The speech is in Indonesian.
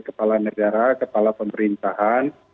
kepala negara kepala pemerintahan